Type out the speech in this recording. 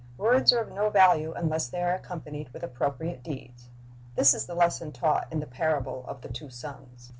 "^ Words are of no value unless they are accompanied with appropriate deeds. This is the lesson taught in the parable of the two sons.